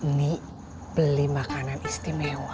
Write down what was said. ini beli makanan istimewa